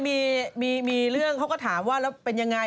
จากนั้นก็เลยมีเรื่องเขาก็ถามว่าเป็นยังไง